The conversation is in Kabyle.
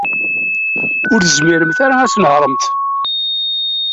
Ur tezmiremt ara ad tnehṛemt.